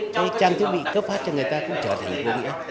cái trang thiết bị cấp phát cho người ta cũng trở thành vô nghĩa